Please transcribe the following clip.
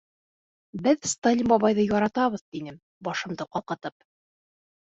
Беҙ Сталин бабайҙы яратабыҙ, -тинем башымды ҡалҡытып.